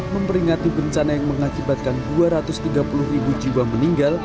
memperingati bencana yang mengakibatkan dua ratus tiga puluh ribu jiwa meninggal